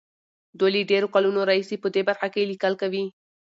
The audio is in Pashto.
دوی له ډېرو کلونو راهيسې په دې برخه کې ليکل کوي.